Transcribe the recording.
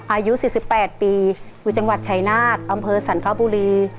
อายุ๔๘ปีอยู่จังหวัดชายนาฏอำเภอสรรคบุรี